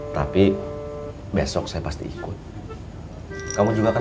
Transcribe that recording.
kalau besok kamu tidak mau ikut ya terserah kamu